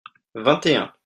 vingt et un.